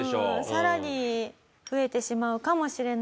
さらに増えてしまうかもしれないです。